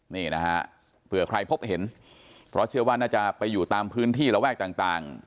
นี่นะฮะเผื่อใครพบเห็นเพราะเชื่อว่าน่าจะไปอยู่ตามพื้นที่ระแวกต่าง